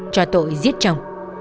cho tội giết chồng